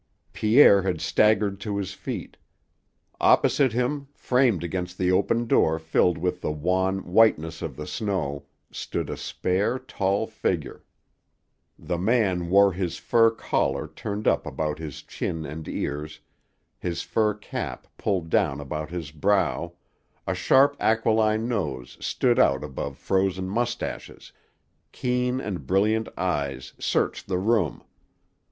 Pierre had staggered to his feet. Opposite him, framed against the open door filled with the wan whiteness of the snow, stood a spare, tall figure. The man wore his fur collar turned up about his chin and ears, his fur cap pulled down about his brow, a sharp aquiline nose stood out above frozen mustaches, keen and brilliant eyes searched the room.